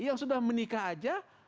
yang sudah menikah aja